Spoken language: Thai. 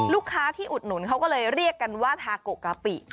ลูกค้าที่อุดหนุนเขาก็เลยเรียกกันว่าทาโกกะปิ